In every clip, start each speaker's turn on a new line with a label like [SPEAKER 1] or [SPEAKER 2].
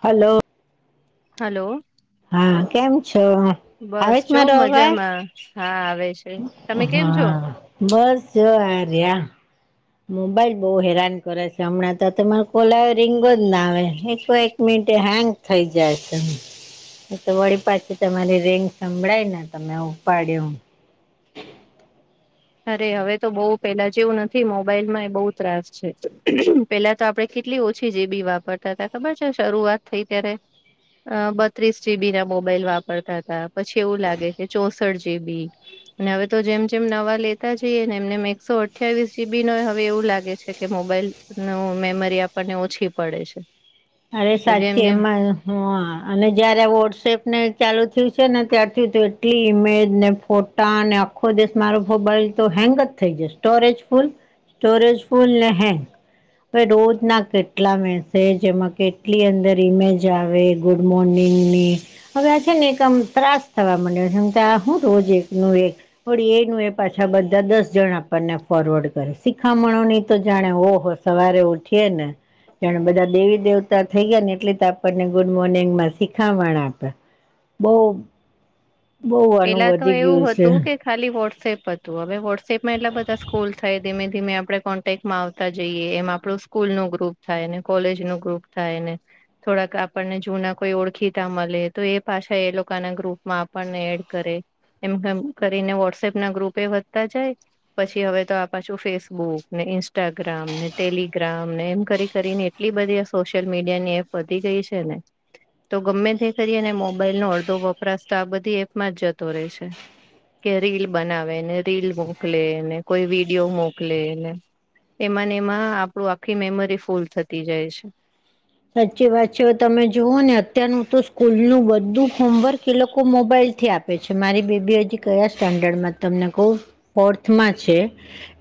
[SPEAKER 1] Hello.
[SPEAKER 2] Hello.
[SPEAKER 1] હા કેમ છો? આવે
[SPEAKER 2] બસ
[SPEAKER 1] છ
[SPEAKER 2] જો
[SPEAKER 1] મારો અવાજ.
[SPEAKER 2] મજામાં હા આવે છ.
[SPEAKER 1] હા બસ જો આ રયા. મોબાઈલ બઉ હેરાન કરે છે હમણાં તો તમારો કોલ આયો રીંગો જ ના આવે ને કઈક મિન્ટે હેંગ થઇ જાય છે. એ તો વળી પાછી તમારી રિંગ સંભળાય ને તમે ઉપાડ્યો.
[SPEAKER 2] અરે! હવે તો બહુ પેલા જેવું નથી મોબાઈલમાં એ બહુ ત્રાસ છે. પેલા તો આપડે કેટલી ઓછી જીબી વાપ પરતાતા ખબર છે શરૂઆત થઈ ત્યારે? અ બત્રીસ જીબી ના મોબાઈલ વાપરતા તા, પછી એવું લાગે કે ચોસઠ જીબી. અને હવે તો જેમ જેમ નવા લે તા જઈએ ને એમને એમ એકસો અઠ્યાવીસ જીબીનો એ હવે એવું લાગે છે કે મોબાઈલ નું મેમરી આપણને ઓછી પડે છે.
[SPEAKER 1] અરે
[SPEAKER 2] તો
[SPEAKER 1] સાચે
[SPEAKER 2] જેમ જેમ
[SPEAKER 1] એમાં હા અને જયારે વોટ્સએપને ચાલુ થયું છે ને ત્યારથી તો એટલી ઈમેજ ને ફોટ ટા ને આખો દિવસ મારો મોબાઈલ તો હેંગ જ થઈ જાય સ્ટોરેજ ફૂલ. સ્ટોરેજ ફૂલ ને હેંગ રોજના કેટલા મેસેજ એમાં કેટલી અંદર ઇમેજ આવે ગુડ મોર્નિંગની. હવે આ છે ને એક આમ ત્રાસ થવા માંડ્યો છે હું કા હું રોજ એકનું એક. વળી એનું એ પાછા બધા દસ જણ આપણને ફોરવર્ડ કરે શીખામણો ની તો જાણે ઓહો! સવારે ઉઠીએ ને જાણે બધા દેવી દેવ તા થઈ ગયા ને એટલી તો આપણને ગુડ મોર્નિંગમાં શીખામણ આપે બહુ બહુ આનું
[SPEAKER 2] પેલા તો
[SPEAKER 1] વધી
[SPEAKER 2] એવું
[SPEAKER 1] ગયું છે
[SPEAKER 2] હતું કે ખાલી વોટ્સએપ હતું હવે વોટ્એપમાં એટલા બધા સ્ક્રોલ થાય ધીમે ધીમે આપણે કોન ટેકમાં આવતા જઈએ એમ આપડું સ્કૂલનું ગ્રુપ થાય ને, કોલેજનું ગ્રુપ થાય ને. થોડાક આપણને જૂના કોઈ ઓળખીતા મલે તો એ પાછા એ લોકોના ગ્રુપમાં આપણને એડ કરે એમ એમ કરીને વોટ્સએપના ગ્રુપે વધતા જાય. પછી હવે તો આ પાછું ફેસબુકને, ઇન્સ્ટાગ્રામને, ટેલી ગ્રામ ને એમ કરી કરીને એટલી બધી આ સોશિયલ મીડિયાની એપ વધી ગઈ છે ને. તો ગમે તે કરી અને મોબાઈલનો અડધો વપરાશ તો આ બધી એપમાં જ જતો રહે છે. કે રીલ બનાવેને, રીલ મોકલેને, કોઈ વિડીયો મોકલેને. એમાંને એમાં આપણું આખી મેમરી ફૂલ થતી જાય છે.
[SPEAKER 1] સાચી વાત છે હવે તમે જુઓ ને અત્યારનું તો સ્કૂલનું બધું હોમવર્ક એ લોકો મોબાઈલ થી આપ આપે છે. મારી બેબી હજી કયા સ્ટાન્ડર્ડમાં તમને કહું ફોર્થમાં છે.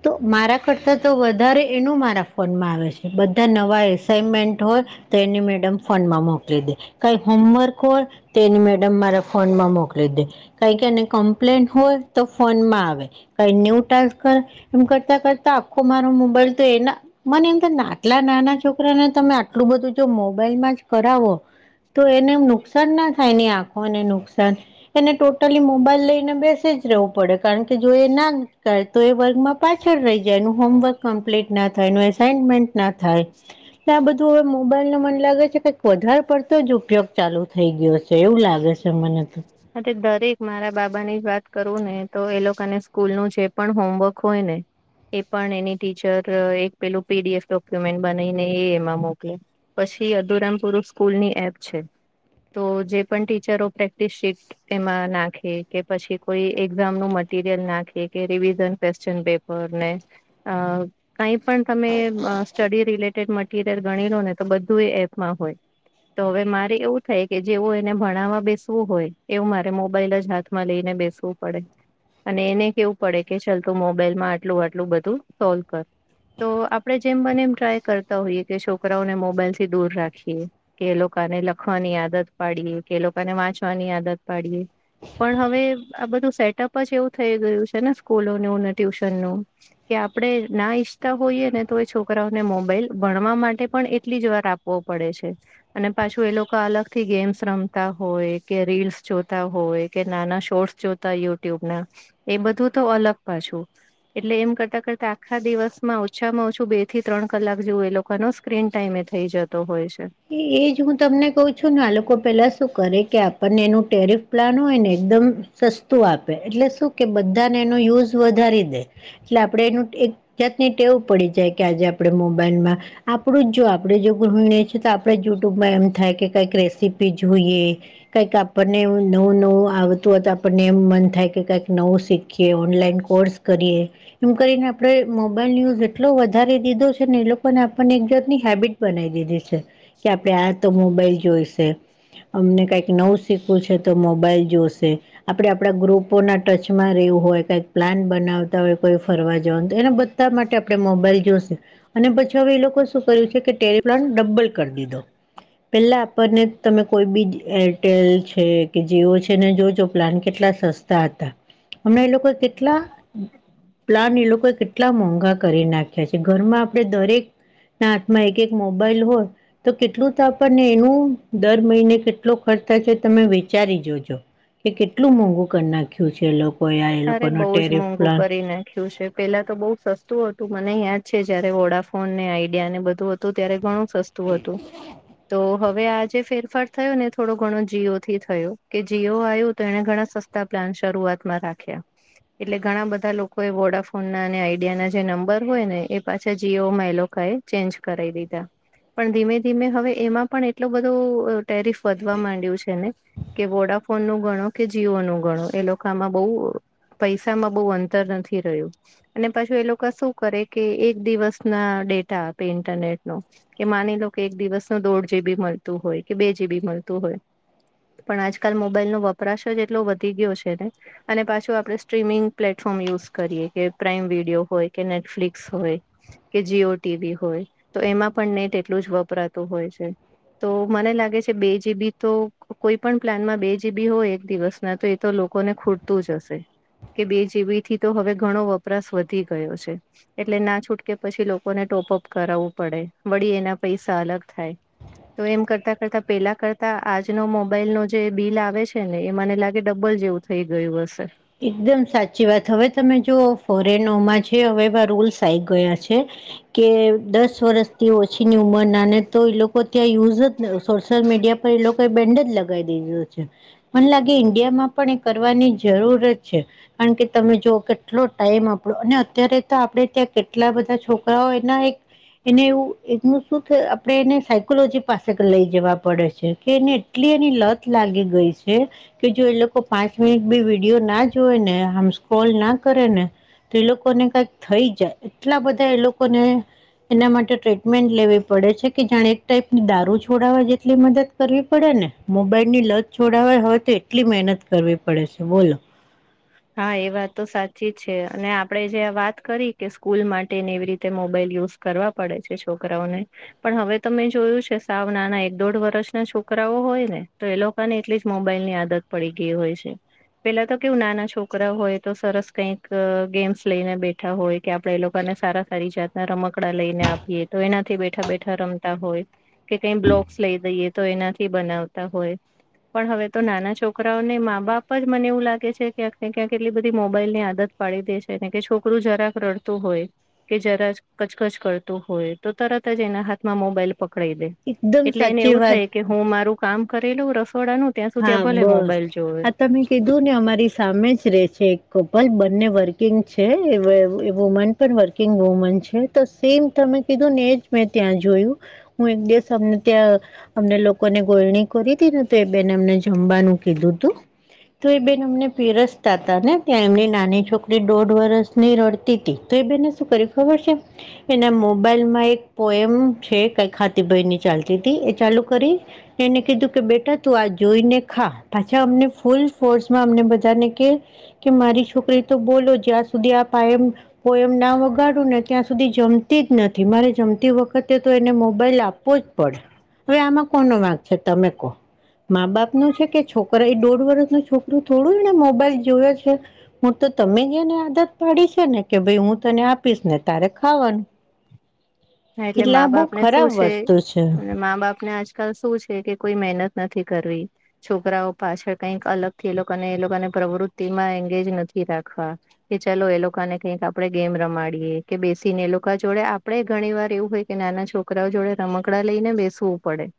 [SPEAKER 1] તો મારા કરતા તો વધારે એનું મારા ફોનમાં આવે છે. બધા નવા એસાઈનમેન્ટ હોય. તો એની મેડમ ફોનમાં મોકલી દે. કઈ હોમવર્ક હોય. તે એની મેડમ મારા ફોન માં મોકલી દે. કંઈક એની કમ્પ્લેન હોય તો ફોનમાં આવે. કઈ ન્યુ ટાક કર એમ કરતા કરતા આખો મારો મોબાઈલ તો એના મને એમ તો આટલા નાના છોકરાને તમે આટલું બધું જો મોબાઈલ માં જ કરાવો. તો એને નુકસાન ના થાય એની આંખોને નુકસાન. એને ટોટલી મોબાઈલ લઈને બેસે જ રહેવું પડે. કારણ કે જો એ ના કરે તો એ વર્ગમાં પાછળ રહી જાય એનું હોમવર્ક કમ્પ્લેટ ના થાય, એની એસાઈમેન્ટ ના થાય. એટલે આ બધું હવે મો મોબાઈલનો મને લાગે છે કઈક વધારે પડતો જ ઉપયોગ ચાલુ થઈ ગયો છે, એવું લાગે છે મને તો.
[SPEAKER 2] હા તે દરેક મારા બાબાની જ વાત કરું ને તો એ લોકાને સ્કૂલનું જે પણ હોમવર્ક હોય ને એ પણ એની ટીચર એક પેલું પીડીએફ ડોક્યુમેન્ટ બનાઈને એ એમાં મોકલે. પછી અધૂરામાં પુરુ સ્કૂલની એપ છે, તો જે પણ ટીચરો પ્રેક્ટિસ એમાં નાખે કે, પછી કોઈ એક્ઝામનું મટીરિયલ નાખે, કે રિવિઝન ક્વેશ્ચન પેપ પર ને અ કાઈ પણ તમે સ્ટડી રિલેટેડ મટ ટીરિયલ ગણી લો ને તો બધું એ એપમાં હોય. તો હવે મારે એવું થાય કે જેવું એને ભણાવવા બેસવું હોય. એવું મારે મોબાઈલ જ હાથમાં લઈને બેસવું પડે. અને એને કેવું પડે કે ચલ તું મોબાઈલમાં આટલું આટલું બધું સોલ્વ કર. તો આપણે જેમ બને એમ ટ્રાય કરતા હોઈએ કે છોકરાઓને મોબાઈલથી દૂર રાખીએ. કે એ લોકાને લખવાની આદત પાડીએ, કે લોકાને વાંચવાની આદત પાડીએ. પણ હવે આ બધું સેટઅપ જ એવું થઈ ગયું છે ને સ્કૂલોનું ને ટ્યુશન નું. કે આપણે ના ઈચ્છતા હોઈએ ને તો એ છોકરાઓને મોબાઈલ ભણવા માટે પણ એટલી જ વાર આપ પો પડે છે અને પાછું એ લોકો અલગ થી ગેમ્સ રમતા હોય કે રીલ્સ જોતા હોય કે નાના શોર્ટસ જોતા યુટ્યુબ ના એ બધું તો અલગ પાછું એટલે એમ કરતા કરતા આખા દિવસમાં ઓછામાં ઓછું બે થી ત્રણ કલાક જેવું એ લોકો નુ સ્ક્રીન ટાઈમે થઇ જતો હોય છે.
[SPEAKER 1] એ એજ હું તમને કઉ છું ને આ લોકો પેલા શું કરે કે આપણને એનું ટેરફ પ્લાન હોય ને એકદમ સસ્તું આપે એટલે શું કે બધાને એનો યુઝ વધારી દે. એટલે આપડે એનું એક જાતની ટેવું પડી જાય કે આજે આપડણે મોબાઈલમાં આપણું જ જો આપડે જો ઘૃમને. તો આપણે યુટ્યુબમાં એમ થાય કે કંઈક રેસીપી જોઈએ. કઈક આપણને નવું નવું આવતું હો તો આપણને એમ મન થાય કે કઈક નવું શીખીએ ઓનલાઈન કોર્સ કરીએ. એમ કરીને આપડે મોબાઈલ ન્યુઝ એટલો વધારે દીધો છે ને એ લોકોને આપણને એક જાતની હેબિટ બનાવી દીધી છે કે આપડણે આ તો મોબાઈલ જોઈશે. અમને કાંઈક નવું શીખવું છે તો મોબાઈલ જોશે. આપડે આપડા ગ્રુપોના ટચમાં રહેવું હોય કઈક પ્લાન બનાવતા હોય કોઈ ફરવા જવાનું તો એને બઘ. તાર માટે આપણે મોબાઈલ જોશે અને પછી હવે એ લોકો શું કર્યું છે કે ટેરી પ્લાન્ટ ડબ્બલ કીધો. પેલા આપણને તમે કોઈ બી એરટેલ છે કે જીઓ છે ને જોજો પ્લાન કેટલા સસ્તા તા તા હમણા એ લોકો કેટલા પ્લાન એ લોકો કેટલા મોંઘા કરી નાખ્યા છે ઘરમાં આપણે દરેક ના હાથમાં એક એક મોબાઈલ હોય. તો કેટલું તો આપણને એનું દર મહિને કેટલો ખર્ચ થશે તમે વેચારી જોજો કે કેટલું મોંઘું કરી નાખ્યું છે લો
[SPEAKER 2] અરે બઉુ જ મોંઘું કરી નાખ્યું છે. પેલા તો બહુ સસ્તું હતું મને યાદ છે જયારે વોડાફોન ને આઈડિયા ને બધું હતું ત્યારે ઘણું સસ્તું હતું તો. હવે આજે ફેરફાર થયો ને થોડો ઘણો જીઓ થી થયો કે જીઓ આવ્યું તો એને ઘણા સ તા પ્લાન શરૂઆતમાં રાખ્યા. એટલે ઘણા બધા લોકો એ વોડાફોન ના અને આઈડિયા ના જે નંબર હોય ને એ પાછા જીઓમાં એલો કા એ. ચેન્જ કરાઇ દીધા. પણ ધીમે ધીમે હવે એમાં પણ એટલો બધો ટેરીફ વધવા માંડ્યું છે ને. કે વોડાફોન નું ગણો કે જીઓ નું ગણો એ લોખામાં બઉ પૈસા માં બહુ અંતર નથી રહ્યું. અને પછી એ લોકો શું કરે કે એક દિવસ ના ડેટા આપે ઇન્ટરનેટ નો કે માની લો કે એક દિવસ ન દોઢ જીબી મળતું હોય કે બે જીબી મળતું હોય. પણ આજકાલ મોબાઈલ નો વપરાશ જ એટલો વધી ગયો છે ને અને પાછ જો આપણે સ્ટ્રીમિંગ પ્લેટફોર્મ યુઝ કરીએ કે પ્રાઇમ વિડીયો હોય કે નેટફ્લિક્સ હોય. કે જીઓ ટીવી હોય તો એમાં પણ નેટ એટલું જ વપરાતું હોય છે. તો મને લાગે છે બે જીબી તો કોઈ પણ પ્લાનમાં બે જીબી હોય એક દિવસ. ના તો એ તો લોકોને ખૂટતું જ હશે. કે બે જીબી થી તો હવે ઘણો વપરાશ વધી ગયો છે. એટલે ના છૂટકે પછી લોકોને ટોપઅપ કરાવવું પડે વળી એના પૈસા અલગ થાય તો એમ કરતાં કરતાં પેલા કરતા આજનો મોબાઈલ નો જે બિલ આવે છે ને એ મને લાગે ડબલ જેવું. થઈ ગયું હશે.
[SPEAKER 1] એકદમ સાચી વાત હવે તમે જો ફોરેનોમાં છે હવે એવા રૂલ્સ આવી ગયા છે. કે દસ વર્ષ થી ઓછીની ઉંમર ના ને તો એ લોક ત્યાં યુઝ જ સોશિયલ મીડિયા પર એ લોક બેન્ડ જ લગાવી દીધું છે મને લાગે ઇન્ડિયામાં પણ એ કરવાની જરૂરત છે. કારણ કે તમે જોઓ કેટલો ટાઈમ આપણો અને અત્યારે તો આપણેે ત્યાં કેટલા બધા છોકરાઓ એના એક એને એવું એનું શું થ આપણે એને સાયકોલોજી પાસે લઈ જવા પડે છે કેને એટલી એની લત લાગી ગઈ છે કે જો એ લોકો પાંચ મિનિટ બે વિડીયો ના જોય ને હમ કોલ ના કરે ને. એ લોકોને કઈક થઈ જાય એટલા બધા એ લોકોને. એના માટે ટ્રીટમેન્ટ લેવી પડે છે કે જાણે એક ટાઈપની દારૂ છોડવા જેટલી મદદ કરવી પડે ને મોબાઈલ ની લજ છોડવાે હોય તો એટલી મહેનત કરવી પડે છે બોલો.
[SPEAKER 2] હા એ વાત તો સાચી જ છે અને આપણેે જે વાત કરી કે સ્કૂલ માટે ને એવી રીતે મોબાઈલ યુઝ. કરવા પડે છે છોકરાઓને. પણ હવે તમે જોયું છે સાવ નાના એક દોઢ વર્ષના છોકરાઓ હોય ને તો એ લોકો. ને એટલી જ મોબાઈલ ની આદત પડી ગઈ હોય છે પેલા તો કેવું નાના છો. છોકરા હોય તો સરસ કંઈક ગેમ્સ લઈને બેઠા હોય કે આપણે એ લોકોને સારા સારી જાત. રમકડા લઈને આપીએ તો એનાથી બેઠા બેઠા રમતા હોય કે કઈ બ્લોક્સ લઈ દઈએ. તો એનાથી બનાવતા હોય. પણ હવે તો નાના છોકરાઓને મા બાપ જ મને એવું લાગે છે. ક્યાંક ને ક્યાંક એટલી બધી મોબાઈલની આદત પાડી દે છે કે છોકરું જરાક રડતું હોય. કે જરા જ કચકચ કરતું હોય તો તરત જ એના હાથમાં મોબાઈલ પકડાઈ દે.
[SPEAKER 1] એકદમ
[SPEAKER 2] એટલે એને
[SPEAKER 1] સાચી
[SPEAKER 2] એવું
[SPEAKER 1] વાત
[SPEAKER 2] થાય કે હું મારું કામ કરેલું રસોડાનુંું ત્યાં સુધી
[SPEAKER 1] હા
[SPEAKER 2] ભલે
[SPEAKER 1] બસ
[SPEAKER 2] મોબાઈલ જોવે.
[SPEAKER 1] આ તમે કીધું ને અમારી સામે જ રે છે એક કપલ બંને વર્કિંગ છે વુમન. પણ વર્કિંગ વુમન છે તો સેમ તમે કીધું ને એજ મેં ત્યાં જોયું. હું એક દિવસ અમને ત્યાં અમને લોકોને ગોલણી કરી હતી. બેન એમને જમવાનું કીધું તું. તો એ બેન અમને પીરસતા હતા ને ત્યાં એમની નાની છોકરી દોઢ વરસ. ની રડતી હતી તો એ બેને શું કર્યું ખબર છે. એના મોબાઈલ માં એક પોયમ છે કઈ ખાતીભાઈ ની ચાલતી હતી એ ચાલુ કરી. એને કીધું કે બેટા તું આ જોઈને ખા પાછા અમને ફૂલ ફોર્સમાં અમને બધાને કે. કે મારી છોકરી તો બોલો જ્યાં સુધી આપાયમ કો એમ ના વગાડું ને ત્યાં સુધી જમતી જ નથી મારે જમતી વખતે તો એને મોબાઈલ આપ પો જ પડે હવે આમાં કોનું વાંક છે તમે કોહ. મા બાપ નુ છે કે છોકરા એ દોઢ વર્ષનુ છોકરુ થોડુ એને મોબાઈલ જોવે છે. હુ તો તમેજ એને આદત પાડી છે ને કે ભાઈ હુ તને આપીશ અને તારે ખાવાનુ.
[SPEAKER 2] હા એટલે માં બાપ ને શુ
[SPEAKER 1] ખરાબ
[SPEAKER 2] છે
[SPEAKER 1] વસ્તુ છે
[SPEAKER 2] અને મા બાપ ને આજ શુ છે કે કોઈ મહેનત નથી કરવી. છોકરાઓ પાછળ કઈક અલગ થી એ લોકોને પ્રવૃત્તિ મા એંગેજ નથી રાખવા. કે ચાલો એ લોકોને કઈક આપણે ગેમ રમાડીએે કે બેસીને એ લોકો જોડે આપડણે જ ઘણી વાર એવુ હોય કે નાના છોકરાઓ જોડે રમકડા લઈને બેસવુ પડે.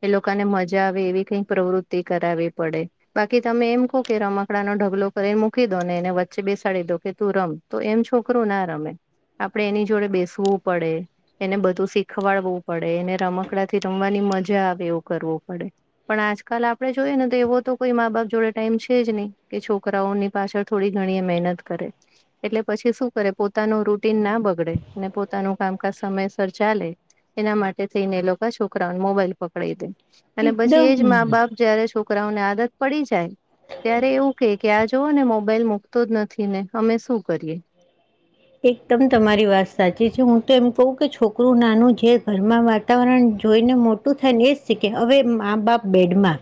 [SPEAKER 2] એ લોકોને મજા આવે એવી કઈક પ્રવૃત્તિ કરાવવી પડે. બાકી તમે એમ કહો કે રમકડાનો ઢગલો કરીને મૂકી દો અને એને વચ્ચે બેસાડી દો કે તુ રમ. તો એમ છોકરો ના રમે આપડે એની જોડે બેસવુ પડે એને બધુ શીખવાડવુ પડે એને રમકડા થી રમવાની મજા આવે એવુ કરવુ પડે. પણ આજકાલ આપણે જોઈએ ને તો એવો તો કોઈ માં બાપ જોડે ટાઈમ છે જ નહી કે છોકરાઓની પાછળ થોડી ઘણી મહેનત કરે એટલે પછી શુ કરે પોતાનુ રૂટીન ના બગડે પોતાનુ કામકાજ સમયસર ચાલે એના માટે થઈને એ લોકો છોકરાઓને મોબાઈલ પકડાવી દે. અને પછી
[SPEAKER 1] એકદમ
[SPEAKER 2] એજ માં બાપ જયારે છોકરાઓને આદત પડી જાય ત્યારે એવુ કહે કે આ જોઓ ને મોબાઈલ મુક તોજ નથી ને અમે શુ કરીએ.
[SPEAKER 1] એકદમ તમારી વાત સાચી છે હુ તો એમ કહુ કે છોકરુ નાનુ જે ઘરમા વાત વાતાવરણ જોઈને મોટુ થાય અને એજ સીખે હવે માં બાપ બેડમા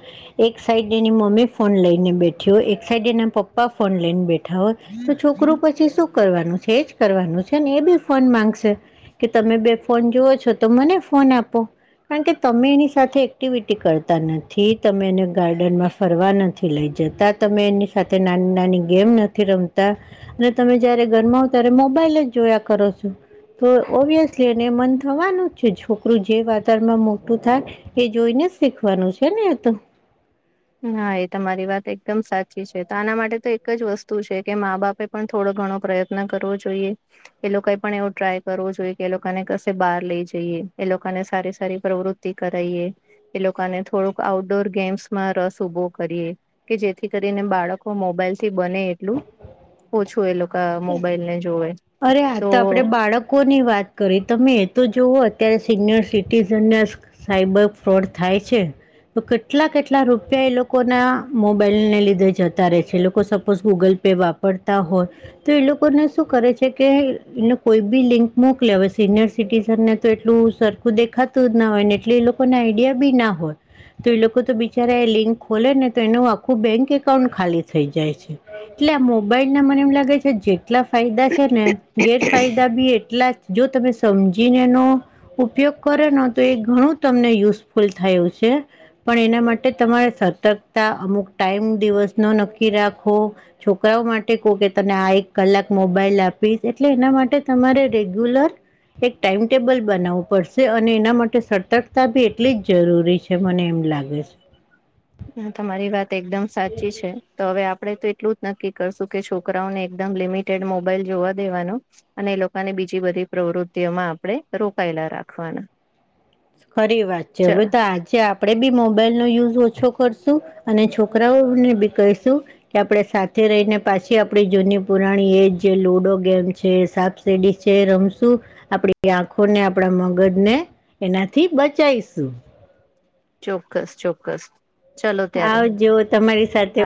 [SPEAKER 1] એક સાઈડ એની મમ્મી ફોન લઈને બેઠી હોય એક સાઈડ એના પપ્પા ફોન લઈને બેઠા હોય તો છોકરુ પછી શુ કરવાનુ છે? એજ કરવાનુ છે ને એ પણ ફોન માંગશે. કે તમે બેવ ફોન જુઓ છો તો મને ફોન આપો. કારણ કે તમે એની સાથે એક્ટિવિટી કરતા નથી તમે એને ગાર્ડનમાં ફરવા નથી લઈ જતા, તમે એની સાથે નાની નાની ગેમ નથી રમતા અને તમે જયારે ઘરમાં હોવ ત્યારે મોબાઈલ જ જોયા કરો છો. તો ઓબ્વિયસલી એને મન થવાનુ જ છે છોકરુ જે વાતાવરણમાં મોટુ થાય એ જોઈને જ શીખવાનુ છે ને એતો.
[SPEAKER 2] હા એ તમારી વાત એકદમ સાચી છે તો આના માટે તો એક જ વસ્તુ છે કે માં બાપે પણ થોડો ઘણો પ્રયત્ન કરવો જોઈએ. એ લોકોએ પણ એવુ ટ્રાય કરવો જોઈએ કે એ લોકોને ઘરની બહાર લઈ જઈએ એ લોકોને સારી સારી પ્રવૃતિ કરાવીએ એ લોકોને થોડુંક આઉટડોર ગેમ્સ મા રસ ઉભો કરીએ કે જેથી કરીને બાળકો મોબાઈલ થી બને એટલુ ઓછુ એ લોકો મોબાઈલ ને જોવે
[SPEAKER 1] અરે આ
[SPEAKER 2] તો
[SPEAKER 1] આપણે બાળકોની વાત કરી તમે એ તો જુવો અત્યારે સિનિયર સિટીઝનને સાયબર ફ્રોડ થાય છે. તો કેટલા કેટલા રૂપિયા એ લોકો ના મોબાઈલને લીધે જતા રહે છે એ લોકો સપોઝ ગૂગલ પે વાપરે પડતા હોય તો એ લોકોને શુ કરે છે? કે એને કોઈ પણ લિંક મોકલે હોવે સિનિયર સિટીઝનને તો એટલુ સર સરખુ દેખાતુ જ ના હોય ને એટલે એ લોકોને આઈડિયા પણ ના હોય તો એ લોકો તો બિચારા લિંક ખોલે ને તો એનુ આખુ બેક એકાઉન્ટ ખાલી થઈ જાય છે એટલે આ મોબાઈલ ના મને એમ લાગે જેટલા ફાયદા છે ને ગેરફાયદા પણ એટલા જ છે જો તમે સમજીને એનો ઉપયોગ કર્યો તો એ ઘણુ તમને યુઝફુલ થાય એવુ છે. પણ એના માટે તમારે સતર્કતા અમુક ટાઈમ દિવસ નો નક્કી રાખવો છોકરાઓ માટે કોઇ કે તને આ કલાક મોબાઈલ આપીશ એટલે એના માટે તમારે રેગ્યુલર એક ટાઈમટેબલ બનાવવુ પડશે અને એના માટે સતર્કતા પણ એટલી જ જરૂરી છે. મને એમ લાગે છે.
[SPEAKER 2] તમારી વાત એકદમ સાચી છે તો હવે આપડે તો એટલુ જ નક્કી કરીશુ કે છોકરાઓને એકદમ લિમિટેડ મોબાઈલ જોવા દેવાનો અને એ લોકોને બીજી બધી પ્રવૃતિઓમા આપણે રોકાયેલા રાખવાના.
[SPEAKER 1] ખરી વાત છે
[SPEAKER 2] ચલ
[SPEAKER 1] હવે તો આજે આપ આપણે બી મોબાઈલ નો યુઝ ઓછો કરશું અને છોકરાઓને બી કહીશું. કે આપણે સાથે રહીને પાછી આપડી જૂની પુરાણી એજ જે લુડો ગેમ છે સા સેડી છે રમશું આપડી આંખોને આપણા મગજ ને એનાથી બચાવશું.
[SPEAKER 2] ચોક્કસ ચોક્કસ! ચલો ત્યારે
[SPEAKER 1] આવ જુઓ તમારી સાથે